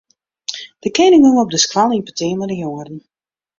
De kening gong op de skoalle yn petear mei de jongeren.